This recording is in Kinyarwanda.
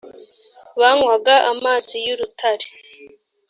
banywaga amazi y urutare